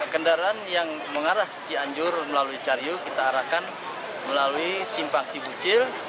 kendaraan yang mengarah cianjur melalui cariu kita arahkan melalui simpang cibucil